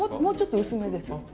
もうちょっと薄めです。